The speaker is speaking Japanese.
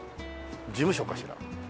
事務所かしら？